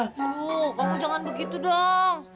aduh kamu jangan begitu dong